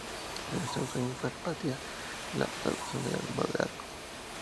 En los Estados Unidos fue rápida la adopción del alumbrado de arco.